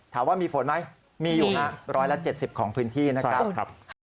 ถามว่ามีฝนไหมมีอยู่ฮะ๑๗๐ของพื้นที่นะครับ